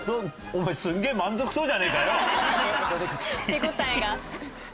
手応えが。